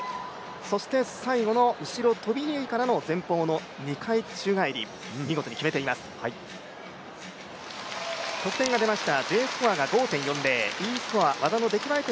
そして最後の後ろとびひねりからの前方の宙返り、見事決めています得点が出ました。